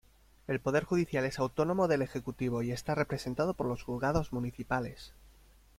El poder judicial es autónomo del ejecutivo y está representado por los juzgados municipales.